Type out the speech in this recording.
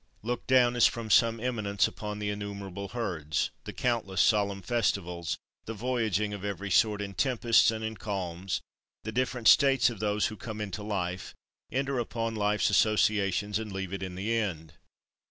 30. Look down, as from some eminence, upon the innumerable herds, the countless solemn festivals, the voyaging of every sort, in tempests and in calms; the different states of those who come into life, enter upon life's associations, and leave it in the end.